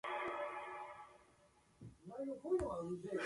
In Buddhism, a deva loka is a dwelling place of the Buddhist devas.